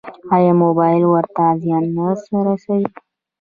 ایا موبایل ورته زیان نه رسوي؟